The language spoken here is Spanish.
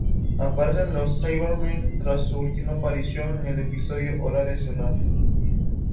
Aparecen los Cybermen, tras su última aparición en el episodio "Hora de cerrar".